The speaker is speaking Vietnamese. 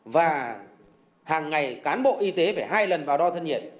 và hàng ngày cán bộ y tế phải hai lần vào đo thân nhiệt